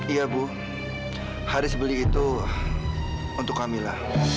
iya bu haris beli itu untuk kamila